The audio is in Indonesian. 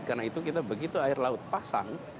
karena itu kita begitu air laut pasang